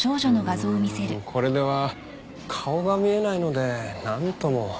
うんこれでは顔が見えないのでなんとも。